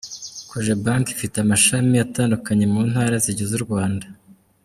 Cogebanke ifite amashami atandukanye mu ntara zigize u Rwanda.